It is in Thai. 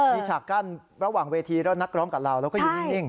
มีฉากกั้นระหว่างเวทีแล้วนักร้องกับเราเราก็อยู่นิ่ง